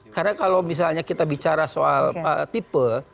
karena kalau misalnya kita bicara soal tipe